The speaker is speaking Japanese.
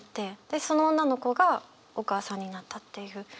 でその女の子がお母さんになったっていう。